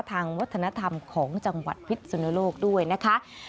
ทางวัฒนธรรมของจังหวัดพิษสุนโลกด้วยนะคะ